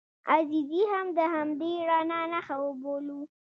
عزیزي هم د همدې رڼا نښه وبولو.